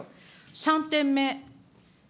３点目。